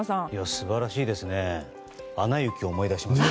素晴らしいですね。